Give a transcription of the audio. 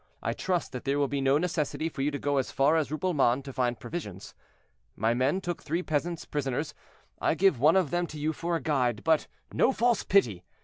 I trust that there will be no necessity for you to go as far as Rupelmonde to find provisions. My men took three peasants prisoners; I give one of them to you for a guide—but no false pity!